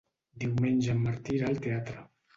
Diumenge en Martí irà al teatre.